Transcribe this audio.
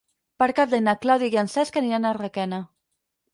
Per Cap d'Any na Clàudia i en Cesc aniran a Requena.